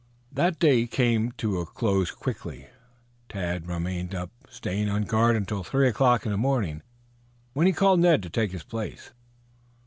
That day came to a close quickly. Tad remained up, staying on guard until three o'clock in the morning, when he called Ned to take his place.